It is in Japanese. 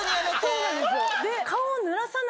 そうなんですよ。